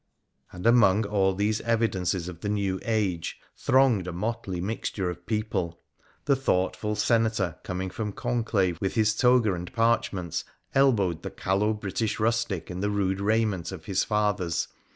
And among all these evidences of the new age thronged a motley mixture of people. The thoughtful senator, coming from conclave with his toga and parchments, elbowed the callow British rustic in the rude raiment of his fathers.